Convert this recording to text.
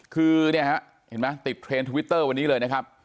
คือเนี่ยฮะเห็นไหมติดเทรนด์ทวิตเตอร์วันนี้เลยนะครับ